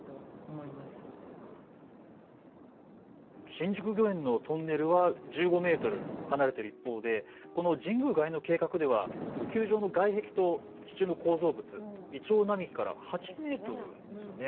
新宿御苑のトンネルは１５メートル離れている一方でこの神宮外苑の計画では球場の外壁と地中の構造物、イチョウ並木から８メートルですよね。